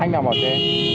anh nào bảo che